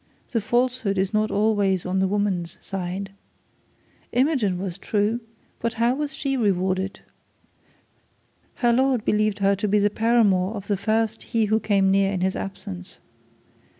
The falsehood is not always on the woman's side. Imogen was true, but now was she rewarded? Her lord believed her to be the paramour of the first he who came near her in his absence.